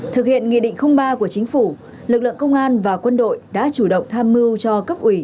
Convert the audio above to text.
thực hiện nghị định ba của chính phủ lực lượng công an và quân đội đã chủ động tham mưu cho cấp ủy